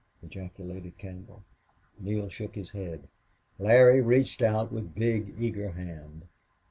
ejaculated Campbell. Neale shook his head. Larry reached out with big, eager hands.